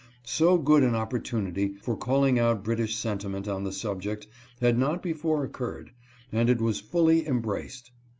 So good an opportu nity for calling out British sentiment on the subject had not before occurred, and it was fully embraced.